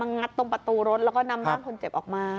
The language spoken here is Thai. งัดตรงประตูรถแล้วก็นำร่างคนเจ็บออกมา